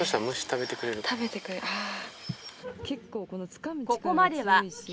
食べてくれるああ。